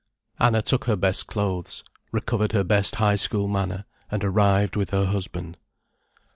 Anna took her best clothes, recovered her best high school manner, and arrived with her husband.